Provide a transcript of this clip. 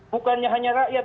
bukannya hanya rakyat